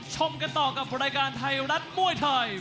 ชมกับรายการไทยรัดมวยไทย